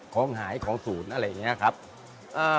ของหายของศูนย์อะไรอย่างนี้ครับ